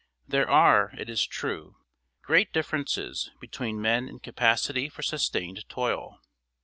There are, it is true, great differences between men in capacity for sustained toil.